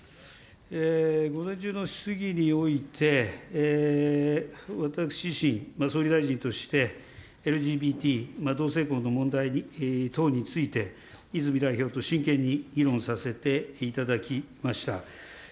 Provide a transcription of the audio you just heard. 午前中の質疑において、私自身、総理大臣として、ＬＧＢＴ、同性婚の問題等について、泉代表と真剣に議論させていただきました。